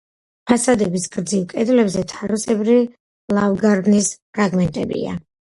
ფასადების გრძივ კედლებზე თაროსებრი ლავგარდნის ფრაგმენტებია.